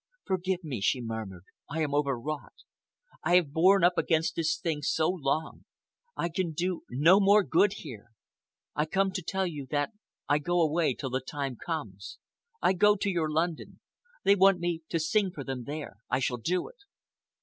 "Forgive me," she murmured, "I am overwrought. I have borne up against this thing so long. I can do no more good here. I come to tell you that I go away till the time comes. I go to your London. They want me to sing for them there. I shall do it."